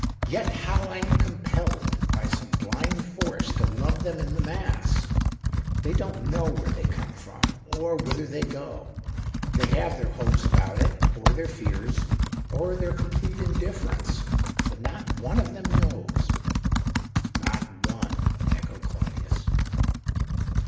Yet how I am compelled— as by some blind force — to love them in the mass ! They don't know where they came from or whither they go ; they have their hopes about 102 THE OCTAVE OF CLAUDIUS. it, or their fears, or tlieir complete indifference, but not one of tliem knows." " Not one," echoed Claudius.